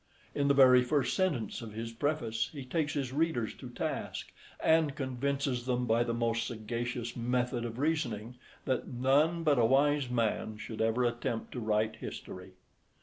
In the very first sentence of his preface he takes his readers to task, and convinces them by the most sagacious method of reasoning that "none but a wise man should ever attempt to write history."